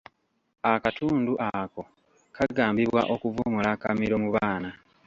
Akatundu ako kagambibwa okuvumula akamiro mu baana.